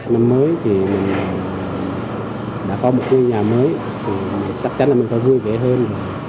năm mới thì mình đã có một nhà mới chắc chắn mình phải vui vẻ hơn